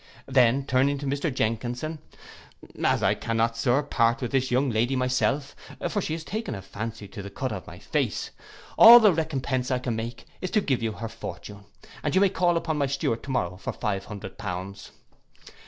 Then turning to Jenkinson, 'As I cannot, Sir, part with this young lady myself, for she has taken a fancy to the cut of my face, all the recompence I can make is to give you her fortune, and you may call upon my steward to morrow for five hundred pounds.